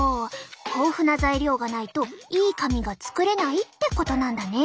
豊富な材料がないといい髪が作れないってことなんだね。